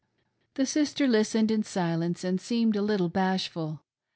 The sister listened in silence and seemed a little bash ful.